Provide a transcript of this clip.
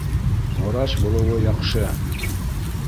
Врач булыуы яҡшы